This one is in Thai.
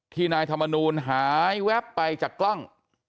ที่นายธรรมนูหายหวับไปจากกล้อง